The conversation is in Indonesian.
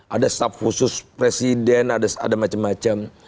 ada staff khusus presiden ada macam macam